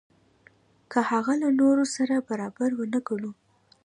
که هغه له نورو سره برابر ونه ګڼو.